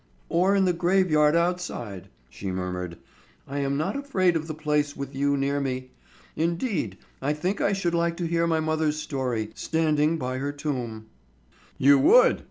"Or in the graveyard outside," she murmured. "I am not afraid of the place with you near me. Indeed, I think I should like to hear my mother's story, standing by her tomb." "_You would!